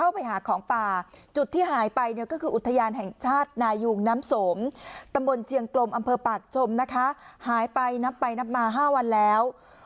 เผลอปากจมนะคะหายไปนับไปนับมาห้าวันแล้ว